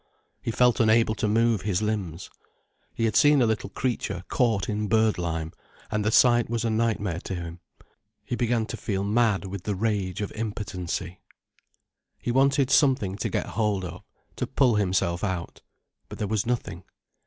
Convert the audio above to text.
He felt unable to move his limbs. He had seen a little creature caught in bird lime, and the sight was a nightmare to him. He began to feel mad with the rage of impotency. He wanted something to get hold of, to pull himself out. But there was nothing.